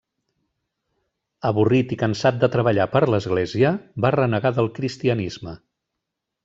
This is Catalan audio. Avorrit i cansat de treballar per a l'església, va renegar del cristianisme.